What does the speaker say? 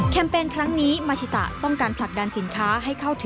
แคมเปญครั้งนี้มาชิตะต้องการผลักดันสินค้า